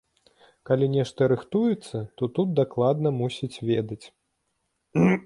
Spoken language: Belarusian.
Калі нешта рыхтуецца, то тут дакладна мусяць ведаць.